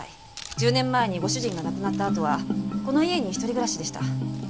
１０年前にご主人が亡くなったあとはこの家に一人暮らしでした。